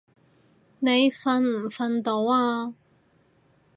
你瞓唔瞓到啊？